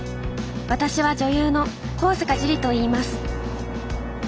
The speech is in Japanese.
私は女優の上坂樹里といいます。